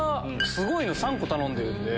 すごいの３個頼んでるんで。